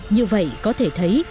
như vậy có thể thấy